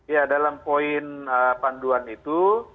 ya dalam poin panduan itu